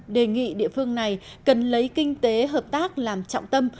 đề nghị địa phương này cần lấy kinh tế hợp tác làm trọng tâm